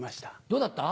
どうだった？